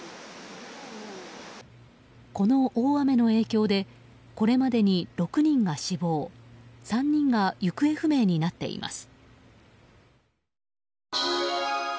この大雨の影響でこれまでに６人が死亡３人が行方不明になっています。